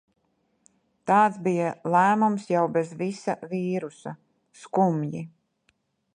Tāds bija lēmums jau bez visa vīrusa... Skumji...